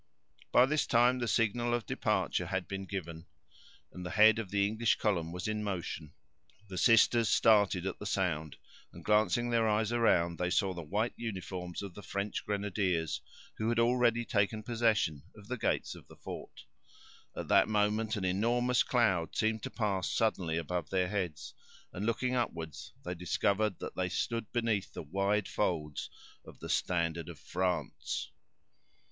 By this time the signal for departure had been given, and the head of the English column was in motion. The sisters started at the sound, and glancing their eyes around, they saw the white uniforms of the French grenadiers, who had already taken possession of the gates of the fort. At that moment an enormous cloud seemed to pass suddenly above their heads, and, looking upward, they discovered that they stood beneath the wide folds of the standard of France.